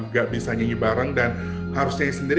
gak bisa nyanyi bareng dan harus saya sendiri